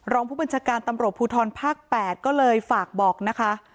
รองผู้บัญชาการตำรวจภูทรภาค๘ก็เลยฝากบอกนะคะ